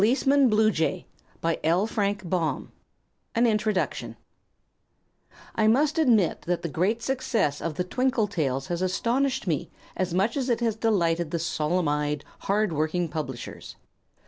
Donnelley & Sons Company Chicago To the Children I MUST admit that the great success of the "TWINKLE TALES" has astonished me as much as it has delighted the solemn eyed, hard working publishers.